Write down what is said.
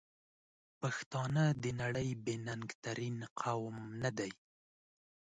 پښتانه د نړۍ بې ننګ ترین قوم ندی؟!